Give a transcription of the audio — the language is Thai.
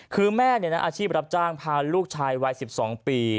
คือแม่อาชีพรับจ้างพาลูกชายวัย๑๒ปี